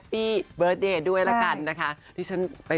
พี่ล้างจานซักผ้าเองนะ